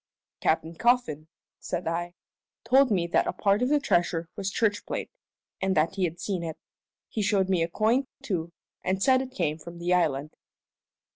"Captain Coffin," said I, "told me that a part of the treasure was church plate, and that he had seen it. He showed me a coin, too, and said it came from the island."